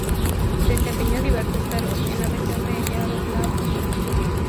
Desempeñó diversos cargos en la región de Yaroslavl y Moscú.